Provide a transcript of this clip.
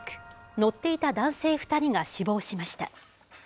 乗っていた男性２人が死亡しました。